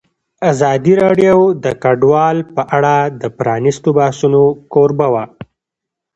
ازادي راډیو د کډوال په اړه د پرانیستو بحثونو کوربه وه.